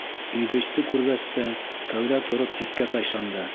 Иҙристе күргәс тә, кәүҙә тороп ситкә тайшанды.